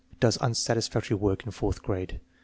Does unsatisfactory work in fourth grade.